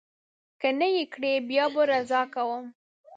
که نه یې کړي، بیا به رضا کوم.